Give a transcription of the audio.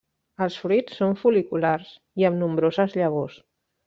Els fruits són fol·liculars i amb nombroses llavors.